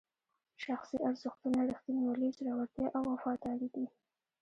شخصي ارزښتونه ریښتینولي، زړورتیا او وفاداري دي.